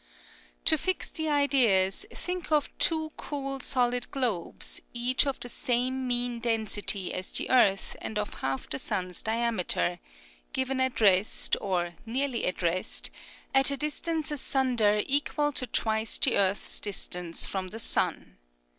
'' To fix the ideas, think of two cool solid globes, each of the same mean density as the earth and of half the sun's diameter, given at rest, or nearly at rest, at a distance asunder equal to twice the earth's distance from the sun.